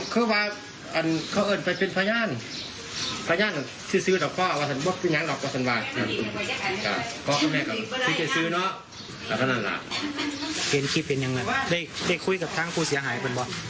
เห็นขิบเห็นอย่างไรได้คุยกับทางผู้เสียหายเป็นบ่ะ